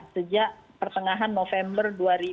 sejak pertengahan november dua ribu dua puluh